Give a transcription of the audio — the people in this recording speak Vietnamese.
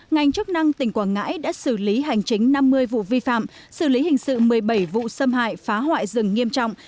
ngành chức năng tỉnh quảng ngãi đã xử lý hành chính năm mươi vụ vi phạm xử lý hình sự một mươi bảy vụ xâm hại phá hoại rừng nghiêm trọng